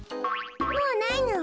もうないの。